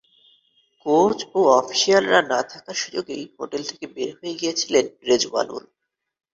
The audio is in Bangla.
কোচ ও অফিশিয়ালরা না থাকার সুযোগেই হোটেল থেকে বের হয়ে গিয়েছিলেন রেজওয়ানুল।